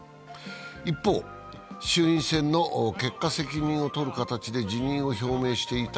一方、衆院選の結果責任を取る形で辞任を表明していた